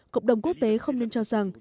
cộng đồng quốc tế không nên cho rằng